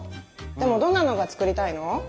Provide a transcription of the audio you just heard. でもどんなのが作りたいの？